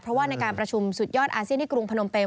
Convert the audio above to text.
เพราะว่าในการประชุมสุดยอดอาเซียนที่กรุงพนมเปม